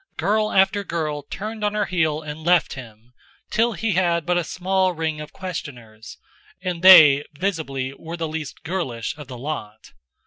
Girl after girl turned on her heel and left him, till he had but a small ring of questioners, and they, visibly, were the least "girlish" of the lot.